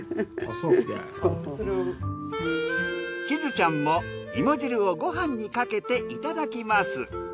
しずちゃんも芋汁をごはんにかけていただきます。